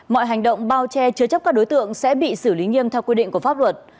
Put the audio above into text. mọi hành động bao che chứa chấp các đối tượng sẽ bị xử lý nghiêm theo quy định của pháp luật